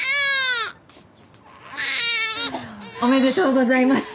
おめでとうございます。